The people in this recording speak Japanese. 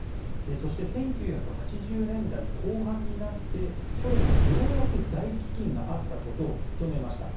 そして１９８０年代後半になってソ連はようやく、大飢饉があったことを認めました。